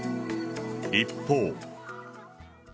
一方。